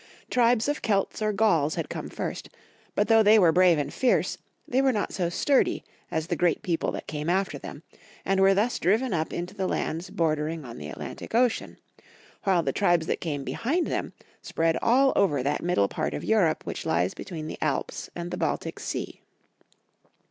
Tribes of Kelts or Gauls had come first, but, though they were brave and fierce, they were not so sturdy as the great people that came after them, and were thus driven up into the lands bordering on the At lantic Ocean; while the tribes that came behind them spread all over that middle part of Europe 13 14 Young Folks'^ Sistory of Germany. which lies between the Alps and the Baltic sea.